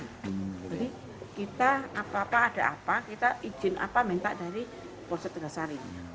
kita apa apa ada apa kita izin apa minta dari polsek tegasari